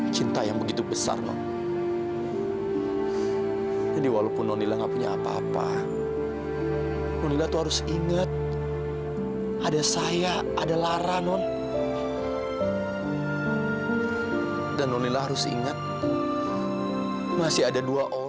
sampai jumpa di video selanjutnya